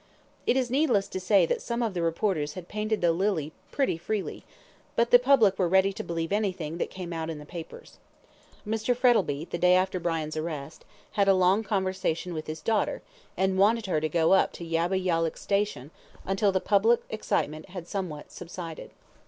It is needless to say that some of the reporters had painted the lily pretty freely, but the public were ready to believe everything that came out in the papers. Mr. Frettlby, the day after Brian's arrest, had a long conversation with his daughter, and wanted her to go up to Yabba Yallook Station until the public excitement had somewhat subsided.